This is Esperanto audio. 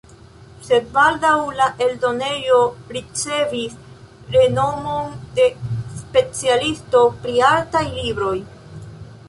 Sed baldaŭ la eldonejo ricevis renomon de specialisto pri artaj libroj.